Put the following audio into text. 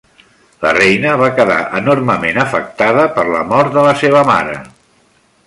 La reina va quedar enormement afectada per la mort de la seva mare.